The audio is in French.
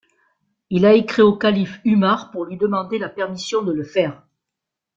Il a écrit au calife 'Umar pour lui demander la permission de le faire.